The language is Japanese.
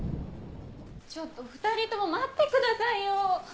ちょっと２人とも待ってくださいよ。